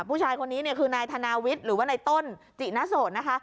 ผู้ชายคนนี้เนี่ยคือนายธนาวิทย์หรือว่าในต้นจินโสดนะคะ